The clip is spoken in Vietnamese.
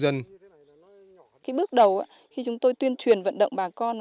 cái bước đầu khi chúng tôi tuyên truyền vận động bà con